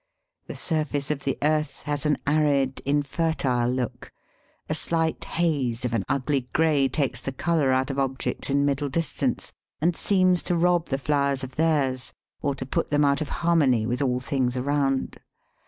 The surface of the earth has an arid, infertile look; a slight haze of an ugly grey takes the colour out of objects in middle distance, and seems to rob the flowers of theirs, or to put them out of harmony with all things around.